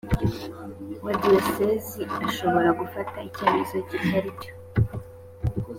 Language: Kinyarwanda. wa diyosezi ashobora gufata icyemezo kuri icyo